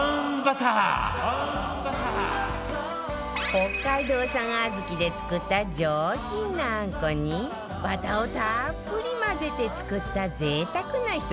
北海道産あずきで作った上品なあんこにバターをたっぷり混ぜて作った贅沢なひと品よ